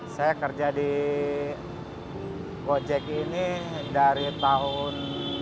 saya kerja di gojek ini dari tahun dua ribu enam belas